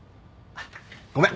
ごめん。